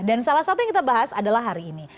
dan salah satu yang kita bahas adalah hari ini